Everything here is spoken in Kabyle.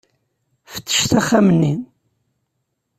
Fettcet axxam-nni.